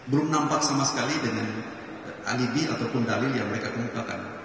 belum nampak sama sekali dengan alibi ataupun dalil yang mereka kemukakan